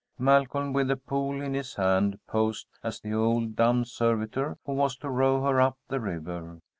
Malcolm, with a pole in his hand, posed as the old dumb servitor who was to row her up the river.